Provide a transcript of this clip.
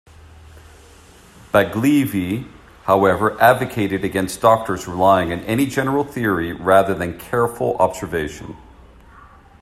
Baglivi, however, advocated against doctors relying on any general theory rather than careful observation.